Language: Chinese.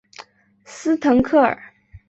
斯滕克尔。